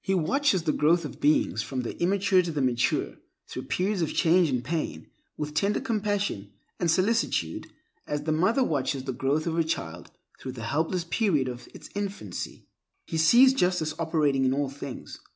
He watches the growth of beings, from the immature to the mature, through periods of change and pain, with tender compassion and solicitude, as the mother watches the growth of her child through the helpless period of its infancy. He sees justice operating in all things.